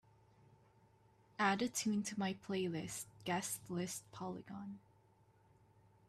Add a tune to my playlist Guest List Polygon